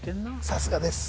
さすがです